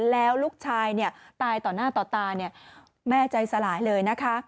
แล้วลูกชายตายต่อหน้าต่อตาแม่ใจสลายเลยนะคะ